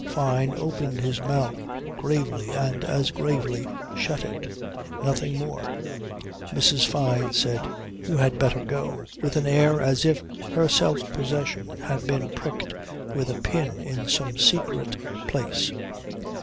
Fyne opened his mouth gravely and as gravely shut it. Nothing more. Mrs. Fyne said, "You had better go," with an air as if her self possession had been pricked with a pin in some secret place.